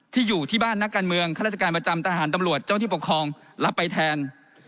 อยู่ที่บ้านนักการเมืองข้าราชการประจำทหารตำรวจเจ้าที่ปกครองรับไปแทน